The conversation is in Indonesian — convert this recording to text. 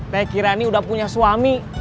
teh kirani udah punya suami